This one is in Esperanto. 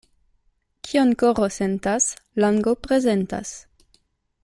Kion koro sentas, lango prezentas.